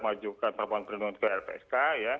mengajukan perlindungan ke lpsk